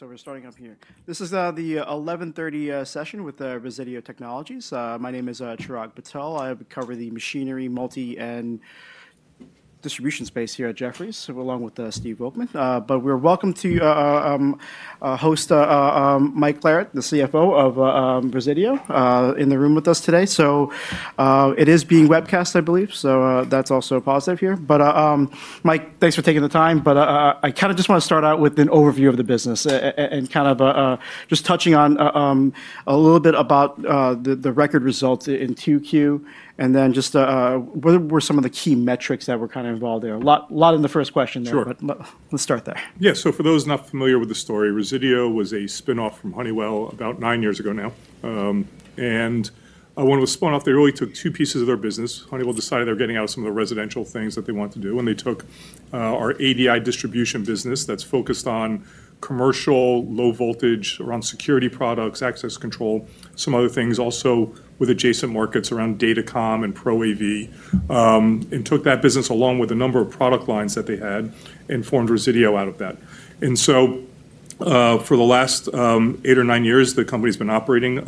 We're starting up here. This is the 11:30 session with Resideo Technologies. My name is Chirag Patel. I cover the machinery, multi, and distribution space here at Jefferies, along with Steve Volkmann. But we're welcome to host Mike Carlet, the CFO of Resideo, in the room with us today. So it is being webcast, I believe. So that's also a positive here. But Mike, thanks for taking the time. But I kind of just want to start out with an overview of the business and kind of just touching on a little bit about the record results in 2Q. And then just what were some of the key metrics that were kind of involved there? A lot in the first question there, but let's start there. Yeah. So for those not familiar with the story, Resideo was a spinoff from Honeywell about nine years ago now. And when it was spun off, they really took two pieces of their business. Honeywell decided they were getting out of some of the residential things that they wanted to do. And they took our ADI distribution business that's focused on commercial, low voltage, around security products, access control, some other things, also with adjacent markets around Datacom and Pro AV, and took that business along with a number of product lines that they had and formed Resideo out of that. And so for the last eight or nine years, the company's been operating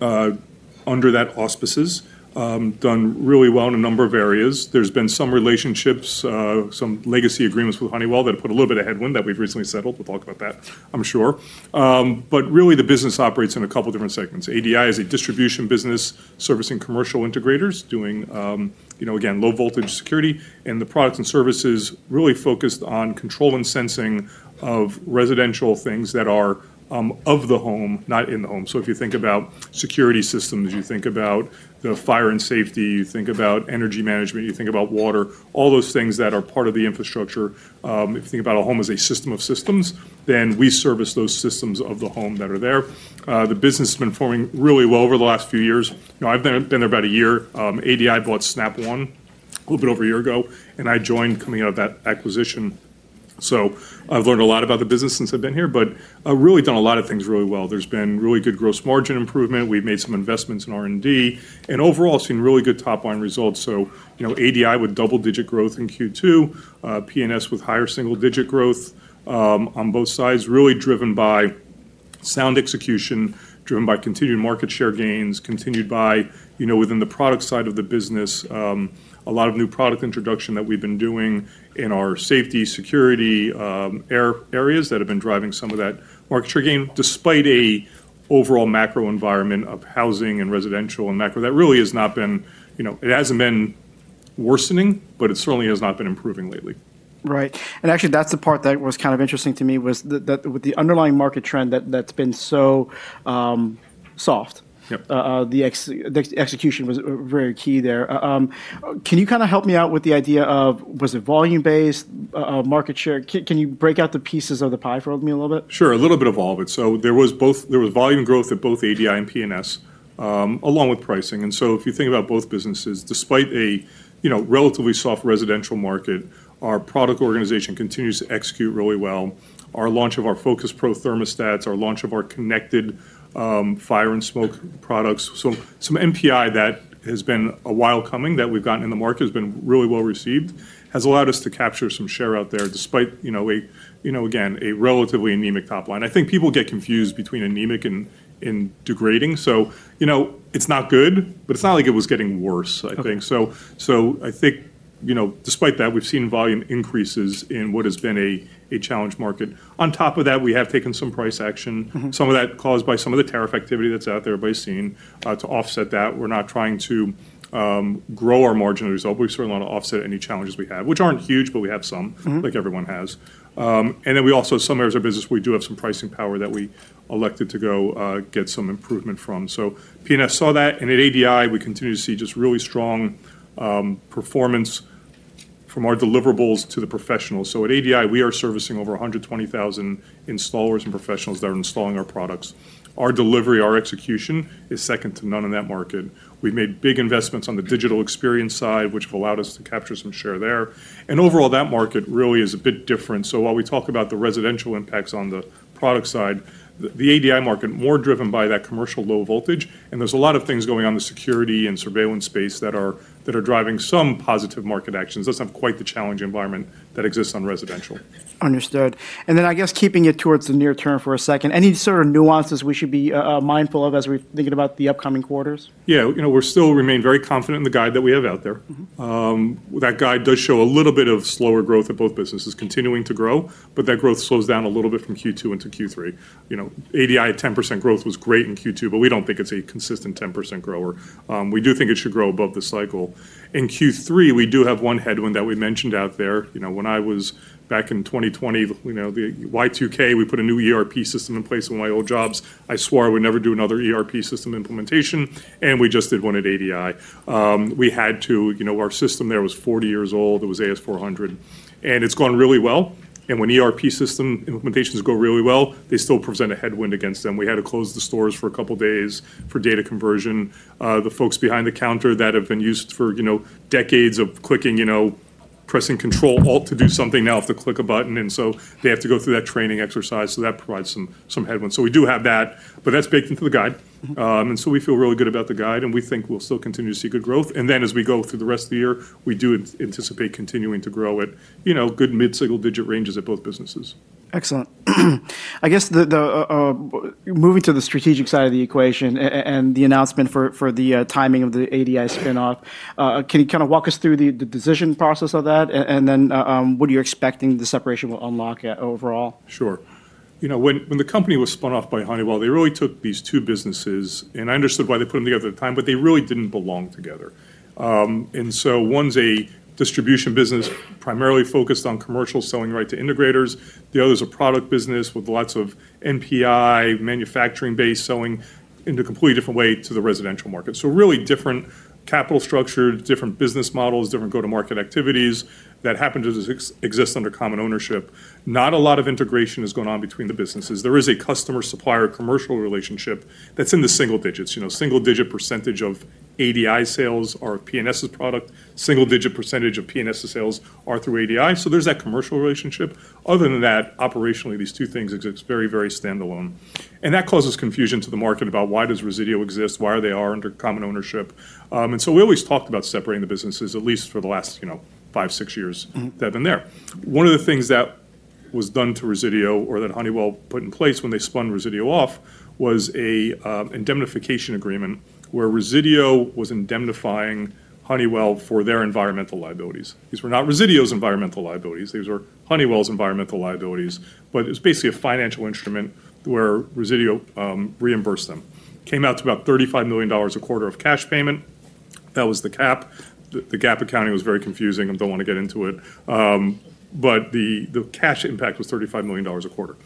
under that auspices, done really well in a number of areas. There's been some relationships, some legacy agreements with Honeywell that have put a little bit of headwind that we've recently settled. We'll talk about that, I'm sure. But really, the business operates in a couple of different segments. ADI is a distribution business servicing commercial integrators, doing, again, low voltage security. And the products and services really focused on control and sensing of residential things that are of the home, not in the home. So if you think about security systems, you think about the fire and safety, you think about energy management, you think about water, all those things that are part of the infrastructure. If you think about a home as a system of systems, then we service those systems of the home that are there. The business has been performing really well over the last few years. I've been there about a year. ADI bought Snap One a little bit over a year ago, and I joined coming out of that acquisition. So I've learned a lot about the business since I've been here, but really done a lot of things really well. There's been really good gross margin improvement. We've made some investments in R&D. And overall, I've seen really good top-line results. So ADI with double-digit growth in Q2, P&S with higher single-digit growth on both sides, really driven by sound execution, driven by continued market share gains, continued within the product side of the business, a lot of new product introduction that we've been doing in our safety, security areas that have been driving some of that market share gain, despite an overall macro environment of housing and residential and macro that really has not been worsening, but it certainly has not been improving lately. Right. And actually, that's the part that was kind of interesting to me was that with the underlying market trend that's been so soft, the execution was very key there. Can you kind of help me out with the idea of was it volume-based market share? Can you break out the pieces of the pie for me a little bit? Sure. A little bit of all of it. So there was volume growth at both ADI and P&S, along with pricing. And so if you think about both businesses, despite a relatively soft residential market, our product organization continues to execute really well. Our launch of our FocusPRO thermostats, our launch of our connected fire and smoke products, so some NPI that has been a while coming that we've gotten in the market has been really well received, has allowed us to capture some share out there despite, again, a relatively anemic top line. I think people get confused between anemic and degrading. So it's not good, but it's not like it was getting worse, I think. So I think despite that, we've seen volume increases in what has been a challenging market. On top of that, we have taken some price action, some of that caused by some of the tariff activity that's out there by China to offset that. We're not trying to grow our margin result. We certainly want to offset any challenges we have, which aren't huge, but we have some, like everyone has. And then we also, some areas of business, we do have some pricing power that we elected to go get some improvement from. So P&S saw that. And at ADI, we continue to see just really strong performance from our deliverables to the professionals. So at ADI, we are servicing over 120,000 installers and professionals that are installing our products. Our delivery, our execution is second to none in that market. We've made big investments on the digital experience side, which have allowed us to capture some share there. Overall, that market really is a bit different. While we talk about the residential impacts on the product side, the ADI market is more driven by that commercial low voltage. There's a lot of things going on in the security and surveillance space that are driving some positive market actions. It doesn't have quite the challenge environment that exists on residential. Understood. And then I guess keeping it towards the near term for a second, any sort of nuances we should be mindful of as we're thinking about the upcoming quarters? Yeah. We still remain very confident in the guide that we have out there. That guide does show a little bit of slower growth at both businesses, continuing to grow, but that growth slows down a little bit from Q2 into Q3. ADI at 10% growth was great in Q2, but we don't think it's a consistent 10% grower. We do think it should grow above the cycle. In Q3, we do have one headwind that we mentioned out there. When I was back in 2000, the Y2K, we put a new ERP system in place in Honeywell. I swore I would never do another ERP system implementation, and we just did one at ADI. We had to. Our system there was 40 years old. It was AS/400. And it's gone really well. And when ERP system implementations go really well, they still present a headwind against them. We had to close the stores for a couple of days for data conversion. The folks behind the counter that have been used for decades of clicking, pressing Control, Alt to do something now have to click a button. And so they have to go through that training exercise. So that provides some headwinds. So we do have that, but that's baked into the guide. And so we feel really good about the guide, and we think we'll still continue to see good growth. And then as we go through the rest of the year, we do anticipate continuing to grow at good mid-single-digit ranges at both businesses. Excellent. I guess moving to the strategic side of the equation and the announcement for the timing of the ADI spinoff, can you kind of walk us through the decision process of that? And then what are you expecting the separation will unlock overall? Sure. When the company was spun off by Honeywell, they really took these two businesses, and I understood why they put them together at the time, but they really didn't belong together, and so one's a distribution business primarily focused on commercial selling right to integrators. The other is a product business with lots of NPI, manufacturing-based selling in a completely different way to the residential market, so really different capital structures, different business models, different go-to-market activities that happen to exist under common ownership. Not a lot of integration is going on between the businesses. There is a customer-supplier commercial relationship that's in the single digits. Single-digit % of ADI sales are P&S's product. Single-digit % of P&S sales are through ADI, so there's that commercial relationship. Other than that, operationally, these two things exist very, very standalone. And that causes confusion to the market about why does Resideo exist? Why are they under common ownership, and so we always talked about separating the businesses, at least for the last five, six years that have been there. One of the things that was done to Resideo or that Honeywell put in place when they spun Resideo off was an indemnification agreement where Resideo was indemnifying Honeywell for their environmental liabilities. These were not Resideo's environmental liabilities. These were Honeywell's environmental liabilities, but it was basically a financial instrument where Resideo reimbursed them. Came out to about $35 million a quarter of cash payment. That was the cap. The GAAP accounting was very confusing. I don't want to get into it, but the cash impact was $35 million a quarter.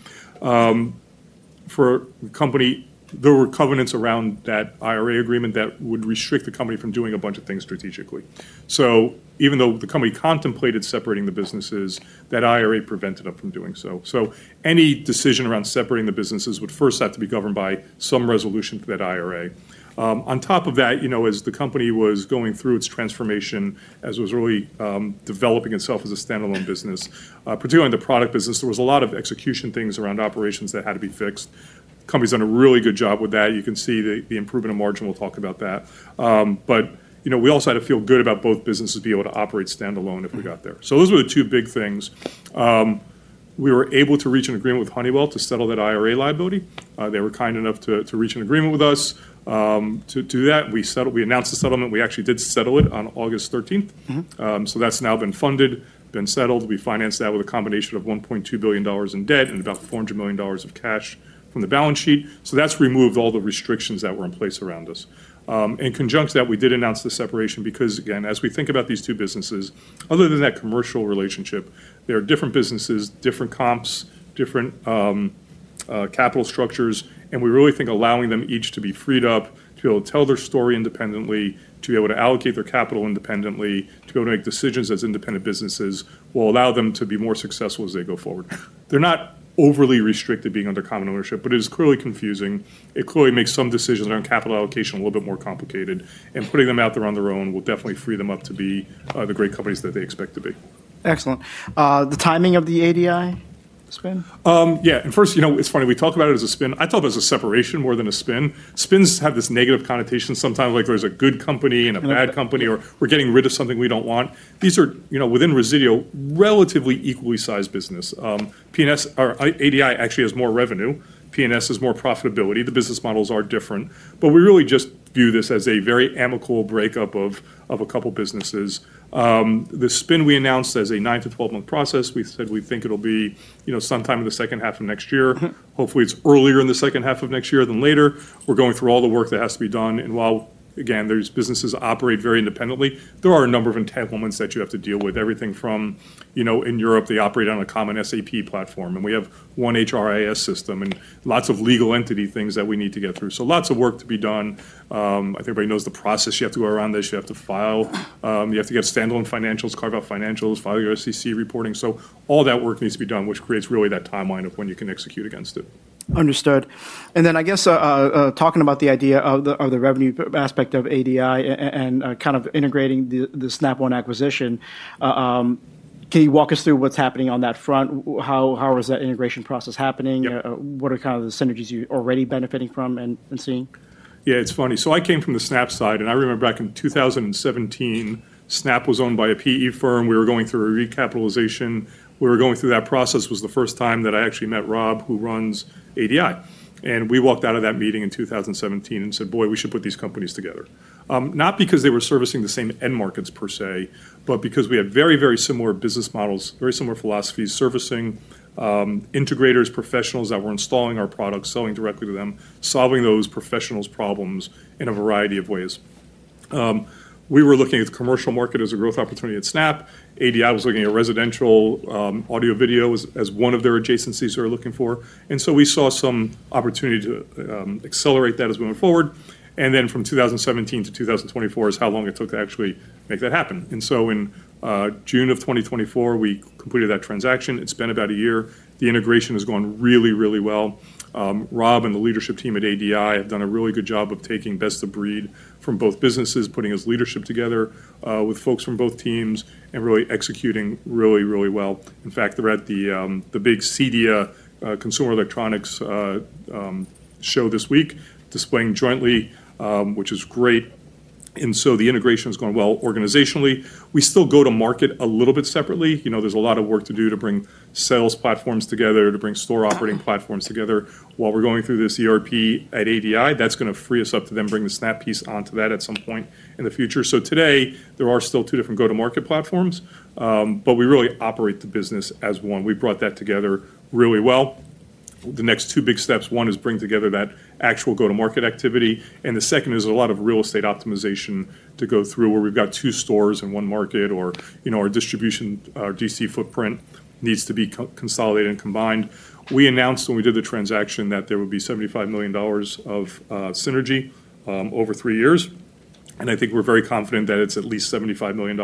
For the company, there were covenants around that IRA agreement that would restrict the company from doing a bunch of things strategically. So even though the company contemplated separating the businesses, that IRA prevented it from doing so. So any decision around separating the businesses would first have to be governed by some resolution to that IRA. On top of that, as the company was going through its transformation, as it was really developing itself as a standalone business, particularly in the product business, there was a lot of execution things around operations that had to be fixed. The company's done a really good job with that. You can see the improvement of margin. We'll talk about that. But we also had to feel good about both businesses being able to operate standalone if we got there. So those were the two big things. We were able to reach an agreement with Honeywell to settle that IRA liability. They were kind enough to reach an agreement with us to do that. We announced the settlement. We actually did settle it on August 13th. So that's now been funded, been settled. We financed that with a combination of $1.2 billion in debt and about $400 million of cash from the balance sheet. So that's removed all the restrictions that were in place around us. In conjunction with that, we did announce the separation because, again, as we think about these two businesses, other than that commercial relationship, there are different businesses, different comps, different capital structures. We really think allowing them each to be freed up, to be able to tell their story independently, to be able to allocate their capital independently, to be able to make decisions as independent businesses will allow them to be more successful as they go forward. They're not overly restricted being under common ownership, but it is clearly confusing. It clearly makes some decisions around capital allocation a little bit more complicated. Putting them out there on their own will definitely free them up to be the great companies that they expect to be. Excellent. The timing of the ADI spin? Yeah. And first, it's funny. We talk about it as a spin. I thought it was a separation more than a spin. Spins have this negative connotation sometimes, like there's a good company and a bad company, or we're getting rid of something we don't want. These are within Resideo relatively equally sized business. ADI actually has more revenue. P&S has more profitability. The business models are different. But we really just view this as a very amicable breakup of a couple of businesses. The spin we announced as a 9-12 month process. We said we think it'll be sometime in the second half of next year. Hopefully, it's earlier in the second half of next year than later. We're going through all the work that has to be done. And while, again, these businesses operate very independently, there are a number of entanglements that you have to deal with. Everything from in Europe, they operate on a common SAP platform. And we have one HRIS system and lots of legal entity things that we need to get through. So lots of work to be done. I think everybody knows the process. You have to go around this. You have to file. You have to get standalone financials, carve out financials, file your SEC reporting. So all that work needs to be done, which creates really that timeline of when you can execute against it. Understood. And then I guess talking about the idea of the revenue aspect of ADI and kind of integrating the Snap One acquisition, can you walk us through what's happening on that front? How is that integration process happening? What are kind of the synergies you're already benefiting from and seeing? Yeah, it's funny. So I came from the Snap side, and I remember back in 2017, Snap was owned by a PE firm. We were going through a recapitalization. We were going through that process. It was the first time that I actually met Rob, who runs ADI. And we walked out of that meeting in 2017 and said, "Boy, we should put these companies together." Not because they were servicing the same end markets, per se, but because we had very, very similar business models, very similar philosophies, servicing integrators, professionals that were installing our products, selling directly to them, solving those professionals' problems in a variety of ways. We were looking at the commercial market as a growth opportunity at Snap. ADI was looking at residential audio-video as one of their adjacencies they were looking for. And so we saw some opportunity to accelerate that as we went forward. And then from 2017-2024 is how long it took to actually make that happen. And so in June of 2024, we completed that transaction. It's been about a year. The integration has gone really, really well. Rob and the leadership team at ADI have done a really good job of taking best of breed from both businesses, putting his leadership together with folks from both teams, and really executing really, really well. In fact, they're at the big CEDIA consumer electronics show this week, displaying jointly, which is great. And so the integration has gone well organizationally. We still go to market a little bit separately. There's a lot of work to do to bring sales platforms together, to bring store operating platforms together. While we're going through this ERP at ADI, that's going to free us up to then bring the Snap piece onto that at some point in the future. So today, there are still two different go-to-market platforms, but we really operate the business as one. We brought that together really well, the next two big steps, one is bring together that actual go-to-market activity. And the second is a lot of real estate optimization to go through where we've got two stores in one market or our distribution, our DC footprint needs to be consolidated and combined. We announced when we did the transaction that there would be $75 million of synergy over three years, and I think we're very confident that it's at least $75 million.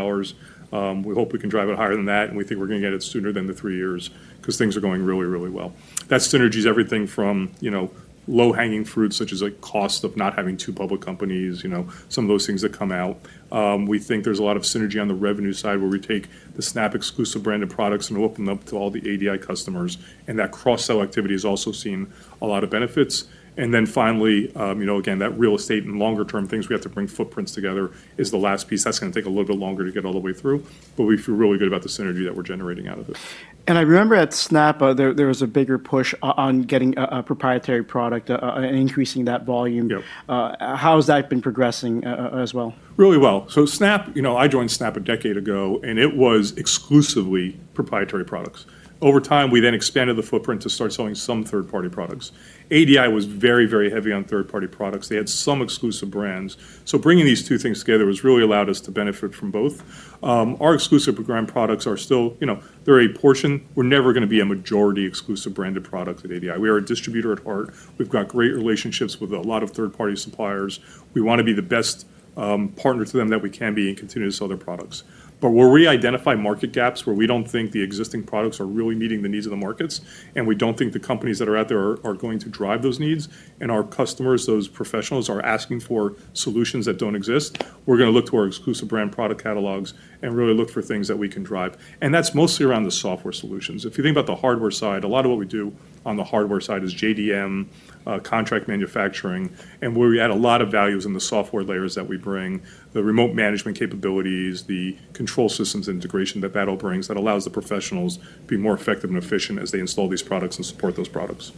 We hope we can drive it higher than that, and we think we're going to get it sooner than the three years because things are going really, really well. That synergy is everything from low-hanging fruit such as the cost of not having two public companies, some of those things that come out. We think there's a lot of synergy on the revenue side where we take the Snap exclusive branded products and open them up to all the ADI customers. And that cross-sale activity has also seen a lot of benefits. And then finally, again, that real estate and longer-term things, we have to bring footprints together is the last piece. That's going to take a little bit longer to get all the way through. But we feel really good about the synergy that we're generating out of it. I remember at Snap, there was a bigger push on getting a proprietary product and increasing that volume. How has that been progressing as well? Really well. So, Snap, I joined Snap a decade ago, and it was exclusively proprietary products. Over time, we then expanded the footprint to start selling some third-party products. ADI was very, very heavy on third-party products. They had some exclusive brands. So bringing these two things together has really allowed us to benefit from both. Our exclusive brand products are still, they're a portion. We're never going to be a majority exclusive branded product at ADI. We are a distributor at heart. We've got great relationships with a lot of third-party suppliers. We want to be the best partner to them that we can be and continue to sell their products. But where we identify market gaps where we don't think the existing products are really meeting the needs of the markets, and we don't think the companies that are out there are going to drive those needs, and our customers, those professionals are asking for solutions that don't exist, we're going to look to our exclusive brand product catalogs and really look for things that we can drive. And that's mostly around the software solutions. If you think about the hardware side, a lot of what we do on the hardware side is JDM, contract manufacturing, and where we add a lot of values in the software layers that we bring, the remote management capabilities, the control systems integration that all brings that allows the professionals to be more effective and efficient as they install these products and support those products.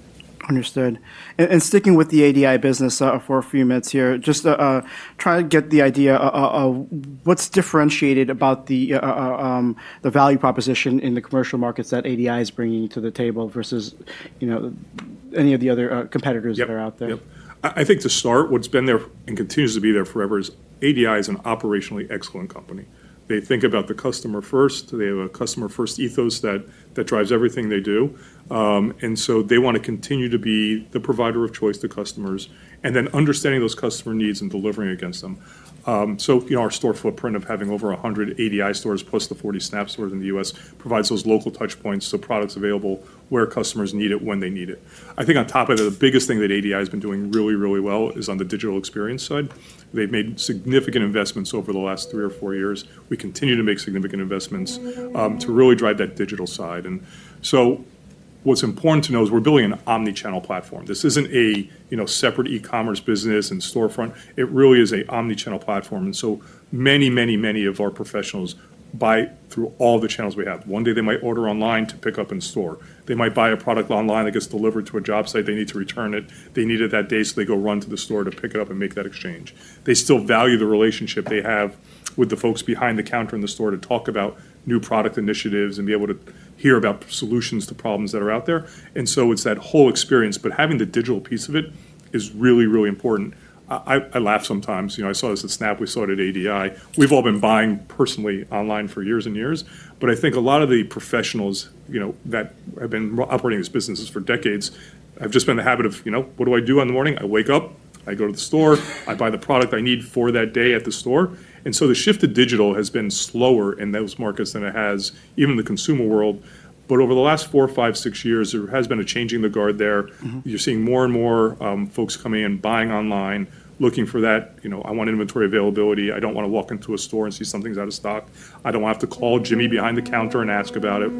Understood. And sticking with the ADI business for a few minutes here, just try to get the idea of what's differentiated about the value proposition in the commercial markets that ADI is bringing to the table versus any of the other competitors that are out there. Yep. I think to start, what's been there and continues to be there forever is ADI is an operationally excellent company. They think about the customer first. They have a customer-first ethos that drives everything they do, and so they want to continue to be the provider of choice to customers and then understanding those customer needs and delivering against them, so our store footprint of having over 180 ADI stores plus the 40 Snap stores in the US provides those local touch points, so products available where customers need it when they need it. I think on top of that, the biggest thing that ADI has been doing really, really well is on the digital experience side. They've made significant investments over the last three or four years. We continue to make significant investments to really drive that digital side. And so what's important to know is we're building an omnichannel platform. This isn't a separate e-commerce business and storefront. It really is an omnichannel platform. And so many, many, many of our professionals buy through all the channels we have. One day, they might order online to pick up in store. They might buy a product online that gets delivered to a job site. They need to return it. They need it that day, so they go run to the store to pick it up and make that exchange. They still value the relationship they have with the folks behind the counter in the store to talk about new product initiatives and be able to hear about solutions to problems that are out there. And so it's that whole experience. But having the digital piece of it is really, really important. I laugh sometimes. I saw this at Snap. We saw it at ADI. We've all been buying personally online for years and years. But I think a lot of the professionals that have been operating these businesses for decades have just been in the habit of, "What do I do in the morning? I wake up. I go to the store. I buy the product I need for that day at the store." And so the shift to digital has been slower in those markets than it has even in the consumer world. But over the last four, five, six years, there has been a changing of the guard there. You're seeing more and more folks coming in, buying online, looking for that, "I want inventory availability. I don't want to walk into a store and see something's out of stock. I don't want to have to call Jimmy behind the counter and ask about it,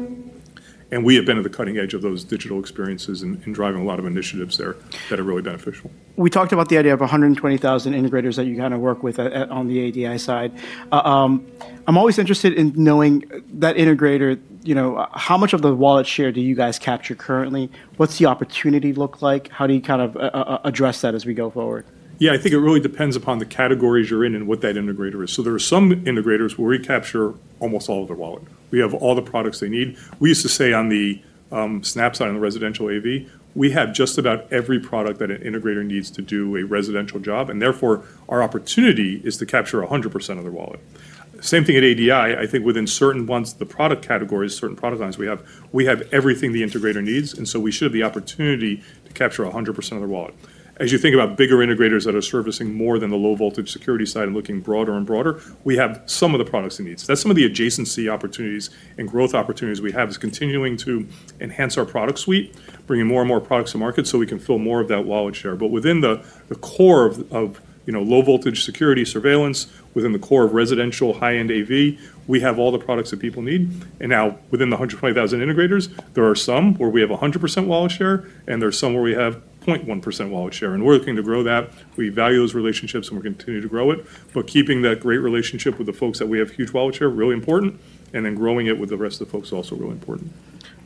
and we have been at the cutting edge of those digital experiences and driving a lot of initiatives there that are really beneficial. We talked about the idea of 120,000 integrators that you kind of work with on the ADI side. I'm always interested in knowing that integrator, how much of the wallet share do you guys capture currently? What's the opportunity look like? How do you kind of address that as we go forward? Yeah, I think it really depends upon the categories you're in and what that integrator is. So there are some integrators where we capture almost all of their wallet. We have all the products they need. We used to say on the Snap side on the residential AV, we have just about every product that an integrator needs to do a residential job. And therefore, our opportunity is to capture 100% of their wallet. Same thing at ADI. I think within certain months, the product categories, certain product lines we have, we have everything the integrator needs. And so we should have the opportunity to capture 100% of their wallet. As you think about bigger integrators that are servicing more than the low-voltage security side and looking broader and broader, we have some of the products they need. So that's some of the adjacency opportunities and growth opportunities we have is continuing to enhance our product suite, bringing more and more products to market so we can fill more of that wallet share. But within the core of low-voltage security surveillance, within the core of residential high-end AV, we have all the products that people need. And now within the 120,000 integrators, there are some where we have 100% wallet share, and there are some where we have 0.1% wallet share. And we're looking to grow that. We value those relationships, and we're continuing to grow it. But keeping that great relationship with the folks that we have huge wallet share is really important. And then growing it with the rest of the folks is also really important.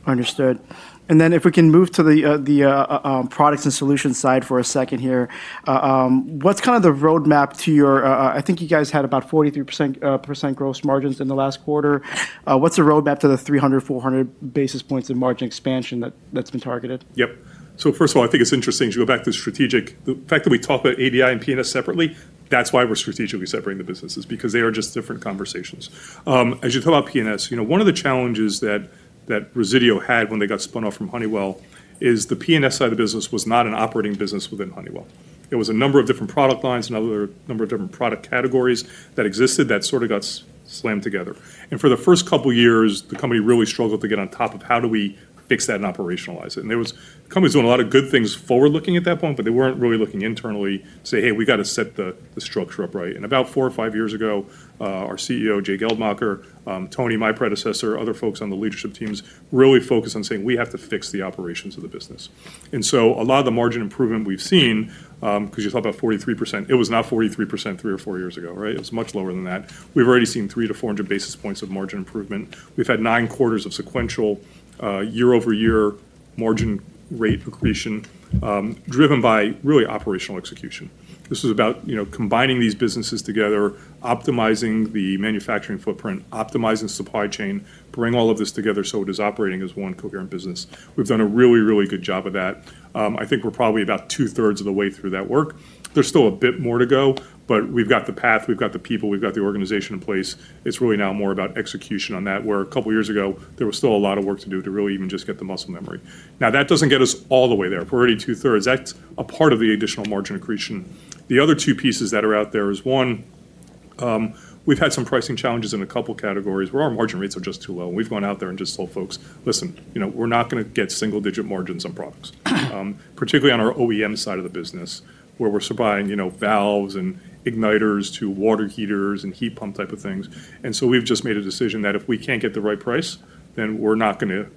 Understood. And then if we can move to the Products and Solutions side for a second here, what's kind of the roadmap to your, I think you guys had about 43% gross margins in the last quarter. What's the roadmap to the 300-400 basis points of margin expansion that's been targeted? Yep. So first of all, I think it's interesting to go back to the strategic, the fact that we talk about ADI and P&S separately. That's why we're strategically separating the businesses because they are just different conversations. As you talk about P&S, one of the challenges that Resideo had when they got spun off from Honeywell is the P&S side of the business was not an operating business within Honeywell. It was a number of different product lines and another number of different product categories that existed that sort of got slammed together. And for the first couple of years, the company really struggled to get on top of how do we fix that and operationalize it. The company was doing a lot of good things forward-looking at that point, but they weren't really looking internally to say, "Hey, we got to set the structure up right." About four or five years ago, our CEO, Jay Geldmacher, Tony, my predecessor, other folks on the leadership teams really focused on saying, "We have to fix the operations of the business." A lot of the margin improvement we've seen, because you talked about 43%, it was not 43% three or four years ago, right? It was much lower than that. We've already seen 300-400 basis points of margin improvement. We've had nine quarters of sequential year-over-year margin rate increase driven by really operational execution. This is about combining these businesses together, optimizing the manufacturing footprint, optimizing the supply chain, bringing all of this together so it is operating as one coherent business. We've done a really, really good job of that. I think we're probably about two-thirds of the way through that work. There's still a bit more to go, but we've got the path. We've got the people. We've got the organization in place. It's really now more about execution on that, where a couple of years ago, there was still a lot of work to do to really even just get the muscle memory. Now, that doesn't get us all the way there. We're already two-thirds. That's a part of the additional margin increase. The other two pieces that are out there is one, we've had some pricing challenges in a couple of categories where our margin rates are just too low. And we've gone out there and just told folks, "Listen, we're not going to get single-digit margins on products," particularly on our OEM side of the business where we're supplying valves and igniters to water heaters and heat pump type of things. And so we've just made a decision that if we can't get the right price, then we're not going to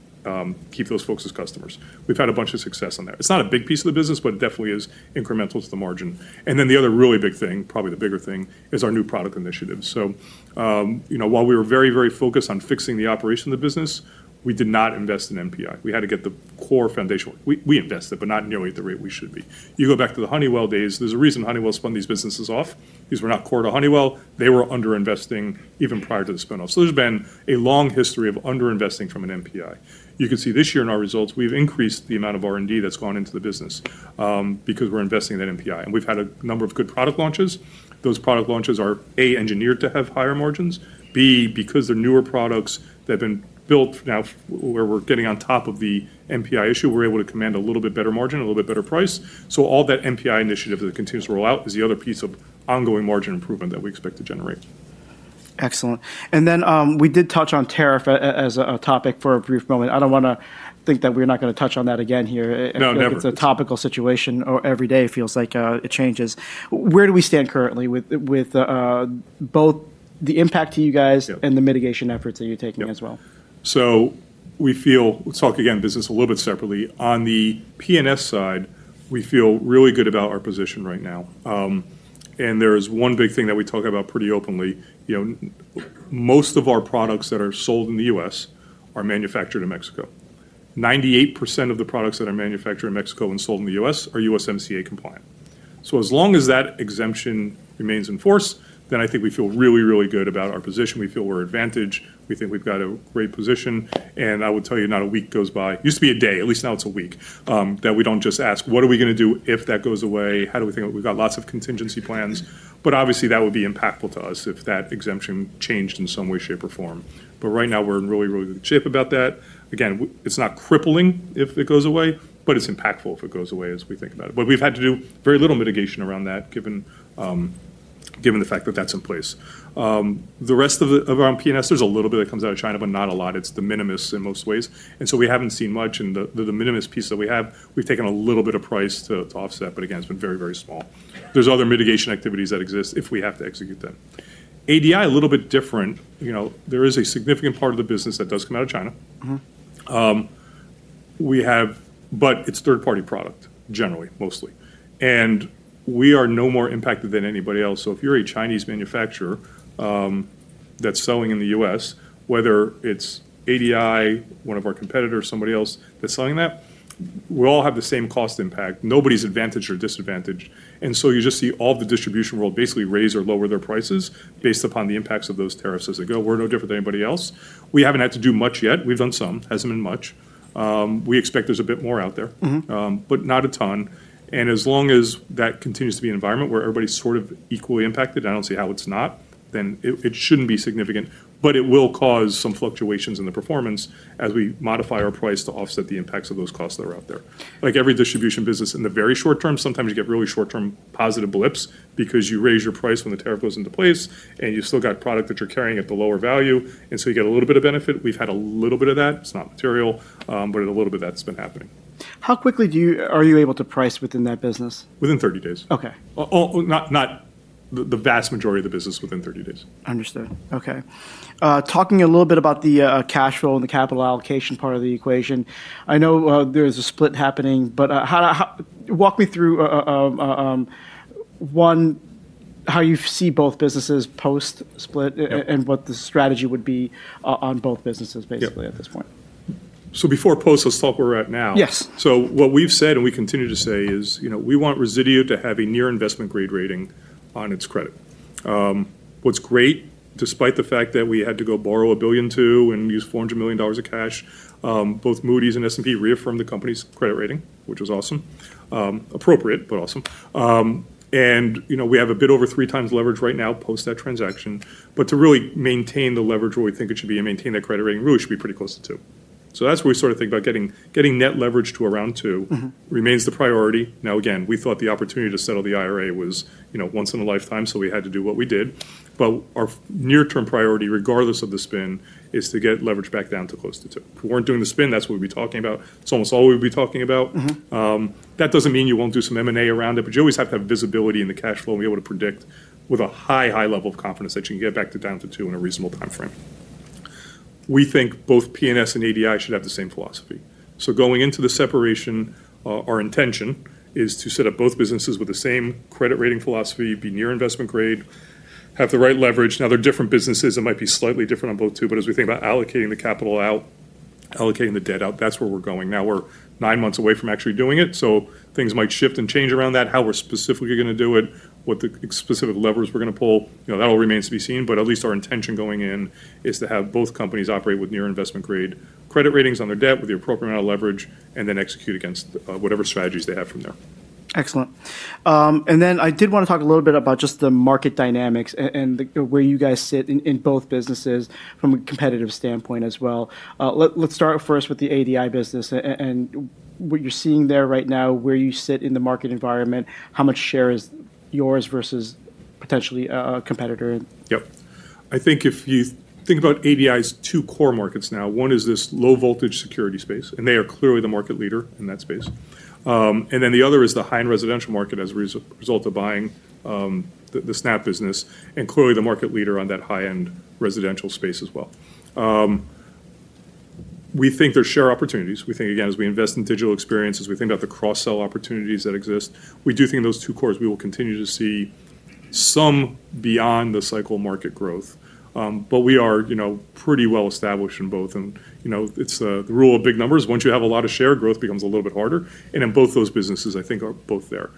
keep those folks as customers. We've had a bunch of success on that. It's not a big piece of the business, but it definitely is incremental to the margin. And then the other really big thing, probably the bigger thing, is our new product initiatives. So while we were very, very focused on fixing the operation of the business, we did not invest in NPI. We had to get the core foundation. We invested, but not nearly at the rate we should be. You go back to the Honeywell days. There's a reason Honeywell spun these businesses off because we're not core to Honeywell. They were underinvesting even prior to the spinoff, so there's been a long history of underinvesting from an NPI. You can see this year in our results. We've increased the amount of R&D that's gone into the business because we're investing in that NPI, and we've had a number of good product launches. Those product launches are A, engineered to have higher margins, and B, because they're newer products that have been built now where we're getting on top of the NPI issue, we're able to command a little bit better margin, a little bit better price, so all that NPI initiative that continues to roll out is the other piece of ongoing margin improvement that we expect to generate. Excellent. And then we did touch on tariff as a topic for a brief moment. I don't want to think that we're not going to touch on that again here. No, never. I think it's a topical situation every day. It feels like it changes. Where do we stand currently with both the impact to you guys and the mitigation efforts that you're taking as well? So we feel, let's talk again of business a little bit separately. On the P&S side, we feel really good about our position right now. And there's one big thing that we talk about pretty openly. Most of our products that are sold in the US are manufactured in Mexico. 98% of the products that are manufactured in Mexico and sold in the US are USMCA compliant. So as long as that exemption remains in force, then I think we feel really, really good about our position. We feel we're advantaged. We think we've got a great position. And I will tell you, not a week goes by, used to be a day, at least now it's a week, that we don't just ask, "What are we going to do if that goes away? How do we think about it?" We've got lots of contingency plans. But obviously, that would be impactful to us if that exemption changed in some way, shape, or form. But right now, we're in really, really good shape about that. Again, it's not crippling if it goes away, but it's impactful if it goes away as we think about it. But we've had to do very little mitigation around that given the fact that that's in place. The rest of our P&S, there's a little bit that comes out of China, but not a lot. It's the de minimis in most ways. And so we haven't seen much. And the de minimis piece that we have, we've taken a little bit of price to offset, but again, it's been very, very small. There's other mitigation activities that exist if we have to execute them. ADI, a little bit different. There is a significant part of the business that does come out of China. We have, but it's third-party product generally, mostly. And we are no more impacted than anybody else. So if you're a Chinese manufacturer that's selling in the U.S., whether it's ADI, one of our competitors, somebody else that's selling that, we all have the same cost impact. Nobody's advantage or disadvantage. And so you just see all of the distribution world basically raise or lower their prices based upon the impacts of those tariffs as they go. We're no different than anybody else. We haven't had to do much yet. We've done some. Hasn't been much. We expect there's a bit more out there, but not a ton. And as long as that continues to be an environment where everybody's sort of equally impacted, I don't see how it's not, then it shouldn't be significant. But it will cause some fluctuations in the performance as we modify our price to offset the impacts of those costs that are out there. Like every distribution business in the very short term, sometimes you get really short-term positive blips because you raise your price when the tariff goes into place, and you've still got product that you're carrying at the lower value. And so you get a little bit of benefit. We've had a little bit of that. It's not material, but a little bit of that's been happening. How quickly are you able to price within that business? Within 30 days. Okay. Not the vast majority of the business within 30 days. Understood. Okay. Talking a little bit about the cash flow and the capital allocation part of the equation, I know there's a split happening, but walk me through how you see both businesses post-split and what the strategy would be on both businesses basically at this point. So, before post, let's talk where we're at now. Yes. What we've said and we continue to say is we want Resideo to have a near investment-grade rating on its credit. What's great, despite the fact that we had to go borrow $1 billion and use $400 million of cash, both Moody's and S&P reaffirmed the company's credit rating, which was awesome. Appropriate, but awesome. And we have a bit over 3x leverage right now post that transaction. But to really maintain the leverage where we think it should be and maintain that credit rating, we really should be pretty close to two. So that's where we sort of think about getting net leverage to around 2x. Remains the priority. Now, again, we thought the opportunity to settle the IRA was once in a lifetime, so we had to do what we did. But our near-term priority, regardless of the spin, is to get leverage back down to close to two. If we weren't doing the spin, that's what we'd be talking about. It's almost all we'd be talking about. That doesn't mean you won't do some M&A around it, but you always have to have visibility in the cash flow and be able to predict with a high, high level of confidence that you can get back down to two in a reasonable timeframe. We think both P&S and ADI should have the same philosophy. So going into the separation, our intention is to set up both businesses with the same credit rating philosophy, be near investment grade, have the right leverage. Now, they're different businesses. It might be slightly different on both two, but as we think about allocating the capital out, allocating the debt out, that's where we're going. Now, we're nine months away from actually doing it, so things might shift and change around that, how we're specifically going to do it, what the specific levers we're going to pull. That all remains to be seen, but at least our intention going in is to have both companies operate with near investment-grade credit ratings on their debt with the appropriate amount of leverage and then execute against whatever strategies they have from there. Excellent, and then I did want to talk a little bit about just the market dynamics and where you guys sit in both businesses from a competitive standpoint as well. Let's start first with the ADI business and what you're seeing there right now, where you sit in the market environment, how much share is yours versus potentially a competitor. Yep. I think if you think about ADI's two core markets now, one is this low-voltage security space, and they are clearly the market leader in that space. And then the other is the high-end residential market as a result of buying the Snap business and clearly the market leader on that high-end residential space as well. We think there's share opportunities. We think, again, as we invest in digital experiences, we think about the cross-sell opportunities that exist. We do think in those two cores, we will continue to see some beyond the cycle market growth, but we are pretty well established in both. And it's the rule of big numbers. Once you have a lot of share, growth becomes a little bit harder. And in both those businesses, I think are both there.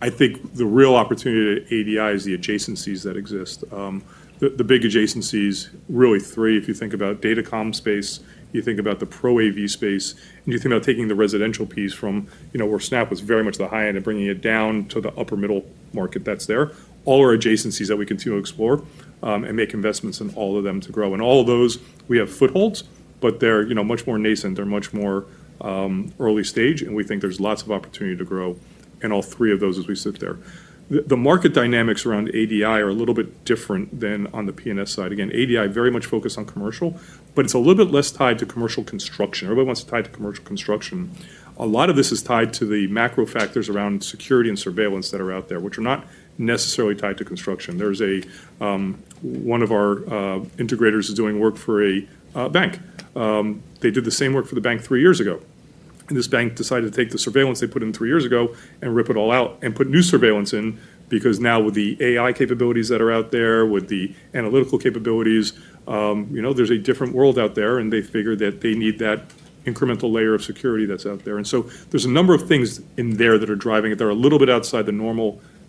I think the real opportunity to ADI is the adjacencies that exist. The big adjacencies, really three. If you think about Datacom space, you think about the Pro AV space, and you think about taking the residential piece from where Snap was very much the high end and bringing it down to the upper middle market that's there. All are adjacencies that we continue to explore and make investments in all of them to grow. And all of those, we have footholds, but they're much more nascent. They're much more early stage, and we think there's lots of opportunity to grow in all three of those as we sit there. The market dynamics around ADI are a little bit different than on the P&S side. Again, ADI very much focused on commercial, but it's a little bit less tied to commercial construction. Everybody wants to tie to commercial construction. A lot of this is tied to the macro factors around security and surveillance that are out there, which are not necessarily tied to construction. One of our integrators is doing work for a bank. They did the same work for the bank three years ago, and this bank decided to take the surveillance they put in three years ago and rip it all out and put new surveillance in because now with the AI capabilities that are out there, with the analytical capabilities, there's a different world out there, and they figure that they need that incremental layer of security that's out there, and so there's a number of things in there that are driving it. They're a little bit outside the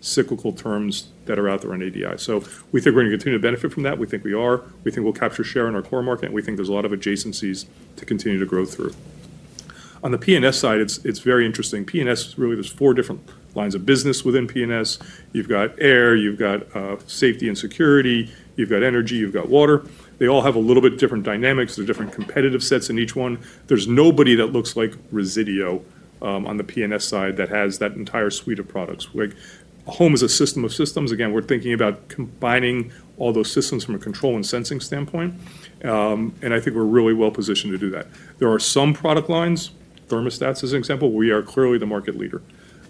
normal cyclical terms that are out there on ADI, so we think we're going to continue to benefit from that. We think we are. We think we'll capture share in our core market, and we think there's a lot of adjacencies to continue to grow through. On the P&S side, it's very interesting. P&S, really, there's four different lines of business within P&S. You've got air, you've got safety and security, you've got energy, you've got water. They all have a little bit different dynamics. There's different competitive sets in each one. There's nobody that looks like Resideo on the P&S side that has that entire suite of products. Home is a system of systems. Again, we're thinking about combining all those systems from a control and sensing standpoint, and I think we're really well positioned to do that. There are some product lines, thermostats as an example, where we are clearly the market leader.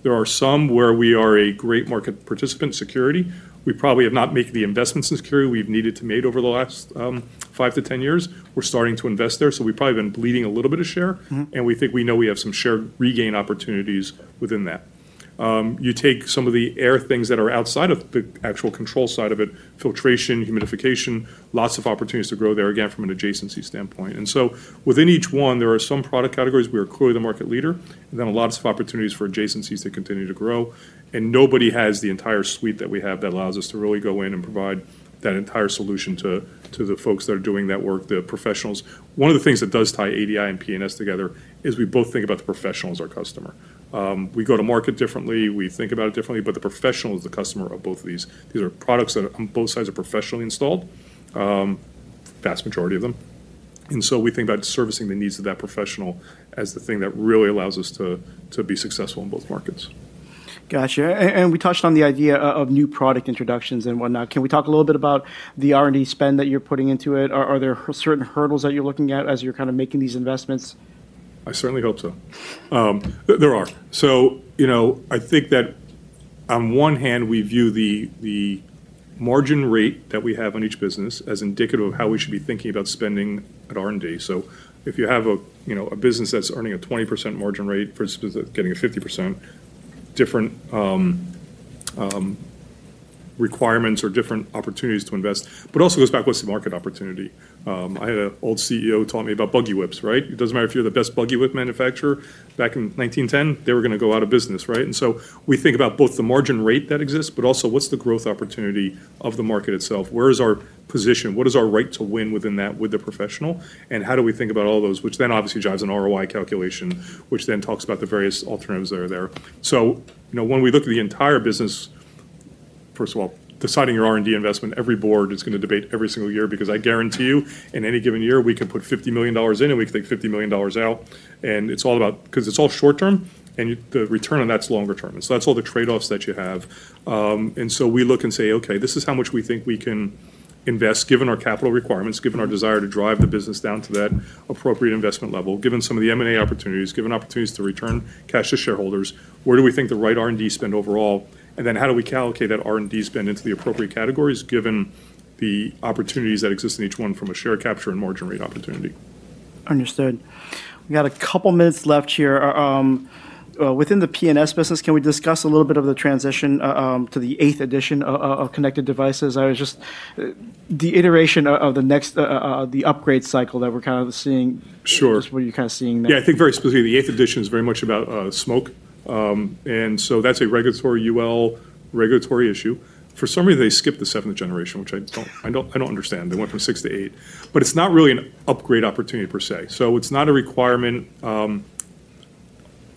There are some where we are a great market participant in security. We probably have not made the investments in security we've needed to make over the last 5-10 years. We're starting to invest there, so we've probably been bleeding a little bit of share, and we think we know we have some share regain opportunities within that. You take some of the air things that are outside of the actual control side of it, filtration, humidification, lots of opportunities to grow there again from an adjacency standpoint. And so within each one, there are some product categories where we're clearly the market leader, and then lots of opportunities for adjacencies to continue to grow. And nobody has the entire suite that we have that allows us to really go in and provide that entire solution to the folks that are doing that work, the professionals. One of the things that does tie ADI and P&S together is we both think about the professional as our customer. We go to market differently. We think about it differently, but the professional is the customer of both of these. These are products that on both sides are professionally installed, vast majority of them. And so we think about servicing the needs of that professional as the thing that really allows us to be successful in both markets. Gotcha. And we touched on the idea of new product introductions and whatnot. Can we talk a little bit about the R&D spend that you're putting into it? Are there certain hurdles that you're looking at as you're kind of making these investments? I certainly hope so. There are. So I think that on one hand, we view the margin rate that we have on each business as indicative of how we should be thinking about spending at R&D. So if you have a business that's earning a 20% margin rate, for instance, that's getting a 50%, different requirements or different opportunities to invest, but also goes back, what's the market opportunity? I had an old CEO taught me about buggy whips, right? It doesn't matter if you're the best buggy whip manufacturer. Back in 1910, they were going to go out of business, right? And so we think about both the margin rate that exists, but also what's the growth opportunity of the market itself? Where is our position? What is our right to win within that with the professional? How do we think about all those, which then obviously drives an ROI calculation, which then talks about the various alternatives that are there. So when we look at the entire business, first of all, deciding your R&D investment, every board is going to debate every single year because I guarantee you, in any given year, we can put $50 million in and we can take $50 million out. It's all about, because it's all short-term and the return on that's longer-term. That's all the trade-offs that you have. We look and say, "Okay, this is how much we think we can invest given our capital requirements, given our desire to drive the business down to that appropriate investment level, given some of the M&A opportunities, given opportunities to return cash to shareholders. Where do we think the right R&D spend overall? How do we calculate that R&D spend into the appropriate categories given the opportunities that exist in each one from a share capture and margin rate opportunity? Understood. We got a couple of minutes left here. Within the P&S business, can we discuss a little bit of the transition to the eighth edition of connected devices? The iteration of the next, the upgrade cycle that we're kind of seeing. Sure. Is what you're kind of seeing there. Yeah, I think very specifically, the eighth edition is very much about smoke. And so that's a regulatory UL, regulatory issue. For some reason, they skipped the seventh generation, which I don't understand. They went from six to eight. But it's not really an upgrade opportunity per se. So it's not a requirement.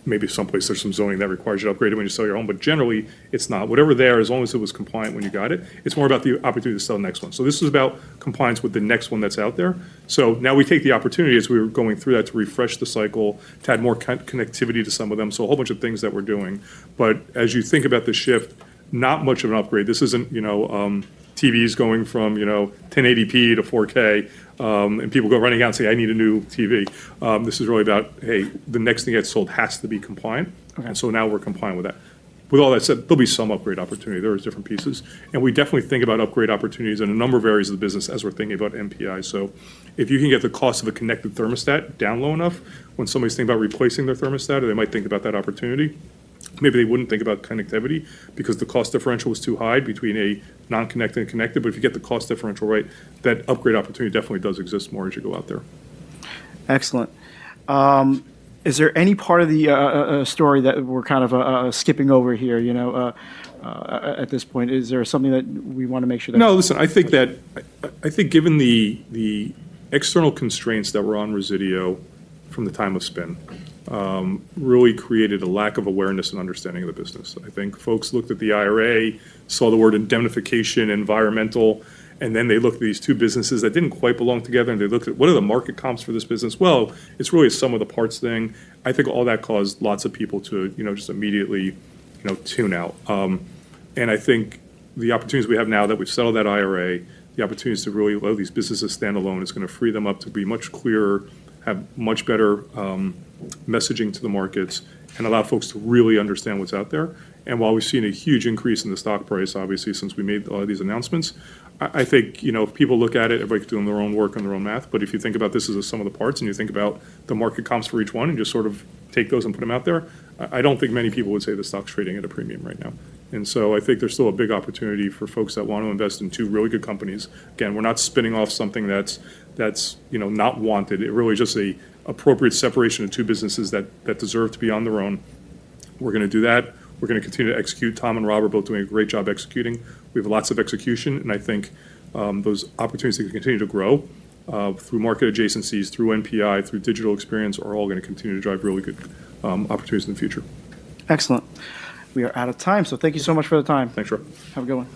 Maybe someplace there's some zoning that requires you to upgrade it when you sell your home, but generally, it's not. Whatever there, as long as it was compliant when you got it, it's more about the opportunity to sell the next one. So this is about compliance with the next one that's out there. So now we take the opportunity as we were going through that to refresh the cycle, to add more connectivity to some of them. So a whole bunch of things that we're doing. But as you think about the shift, not much of an upgrade. This isn't TVs going from 1080p to 4K and people go running out and say, "I need a new TV." This is really about, "Hey, the next thing I sold has to be compliant." And so now we're compliant with that. With all that said, there'll be some upgrade opportunity. There are different pieces. And we definitely think about upgrade opportunities in a number of areas of the business as we're thinking about NPIs. So if you can get the cost of a connected thermostat down low enough when somebody's thinking about replacing their thermostat, they might think about that opportunity. Maybe they wouldn't think about connectivity because the cost differential was too high between a non-connected and connected. But if you get the cost differential right, that upgrade opportunity definitely does exist more as you go out there. Excellent. Is there any part of the story that we're kind of skipping over here at this point? Is there something that we want to make sure that? No, listen. I think that I think given the external constraints that were on Resideo from the time of spin really created a lack of awareness and understanding of the business. I think folks looked at the IRA, saw the word indemnification, environmental, and then they looked at these two businesses that didn't quite belong together, and they looked at what are the market comps for this business? Well, it's really a sum of the parts thing. I think all that caused lots of people to just immediately tune out. And I think the opportunities we have now that we've settled that IRA, the opportunities to really allow these businesses to stand alone is going to free them up to be much clearer, have much better messaging to the markets, and allow folks to really understand what's out there. And while we've seen a huge increase in the stock price, obviously, since we made all these announcements, I think if people look at it, everybody's doing their own work and their own math. But if you think about this as sum of the parts and you think about the market comps for each one and just sort of take those and put them out there, I don't think many people would say the stock's trading at a premium right now. And so I think there's still a big opportunity for folks that want to invest in two really good companies. Again, we're not spinning off something that's not wanted. It really is just an appropriate separation of two businesses that deserve to be on their own. We're going to do that. We're going to continue to execute. Tom and Rob are both doing a great job executing. We have lots of execution, and I think those opportunities that can continue to grow through market adjacencies, through NPI, through digital experience are all going to continue to drive really good opportunities in the future. Excellent. We are out of time, so thank you so much for the time. Thanks, Chirag. Have a good one.